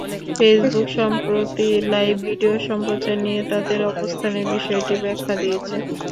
Facebook সম্প্রতি live video সম্প্রচার নিয়ে তাদের অবস্থানের বিষয়টি ব্যাখ্যা দিয়েছে।